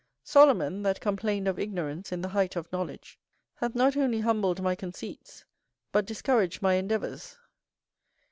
Solomon, that complained of ignorance in the height of knowledge, hath not only humbled my conceits, but discouraged my endeavours.